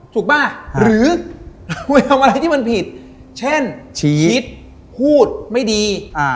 ถูกป่ะหรือไปทำอะไรที่มันผิดเช่นคิดพูดไม่ดี